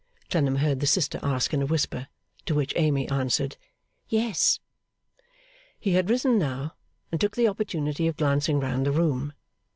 Clennam heard the sister ask in a whisper. To which Amy answered 'Yes.' He had risen now, and took the opportunity of glancing round the room.